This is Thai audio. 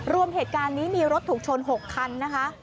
รวมเหตุการณ์นี้มีรถถูกชน๖คันนะคะ